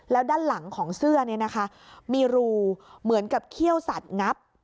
แล้วด้านหลังของเสื้อเนี่ยนะคะมีรูเหมือนกับเขี้ยวสัตว์งับ